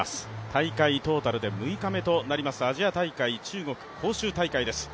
大会トータルで６日目となりますアジア大会、中国・杭州大会です。